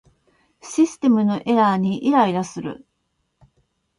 システムのエラーにイライラする